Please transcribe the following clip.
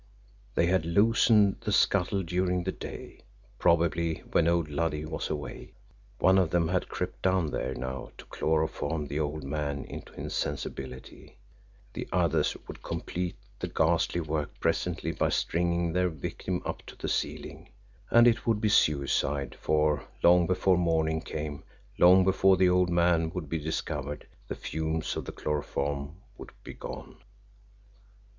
They had loosened the scuttle during the day, probably when old Luddy was away one of them had crept down there now to chloroform the old man into insensibility the others would complete the ghastly work presently by stringing their victim up to the ceiling and it would be suicide, for, long before morning came, long before the old man would be discovered, the fumes of the chloroform would be gone.